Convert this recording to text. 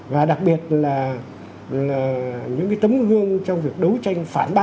và đặc biệt là những tấm gương trong việc đấu tranh phản bác